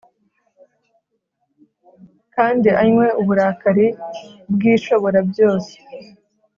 kandi anywe uburakari bw’ishoborabyose